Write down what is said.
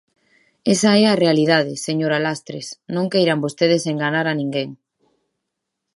Esa é a realidade, señora Lastres, non queiran vostedes enganar a ninguén.